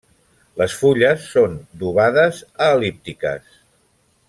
Les fulles són d'ovades a el·líptiques.